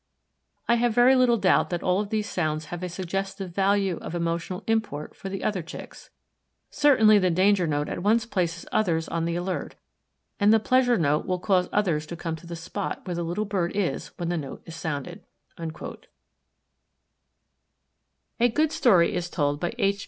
I have very little doubt that all of these sounds have a suggestive value of emotional import for the other Chicks. Certainly the danger note at once places others on the alert, and the pleasure note will cause others to come to the spot where the little bird is when the note is sounded." A good story is told by H.